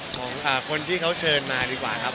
ของคนที่เขาเชิญมาดีกว่าครับ